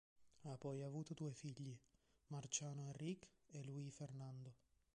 Ha poi avuto due figli, Marciano Enrique e Luis Fernando.